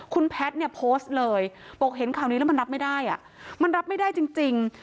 คุณแพทย์เนี่ยโพสต์เลยบอกเห็นข่าวนี้แล้วมันรับไม่ได้อ่ะมันรับไม่ได้จริง